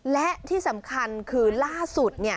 และที่สำคัญคือล่าสุด